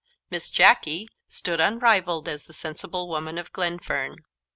Miss Jacky stood unrivalled as the sensible woman of Glenfern.